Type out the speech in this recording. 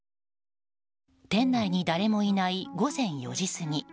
店内に誰もいない午前４時過ぎ。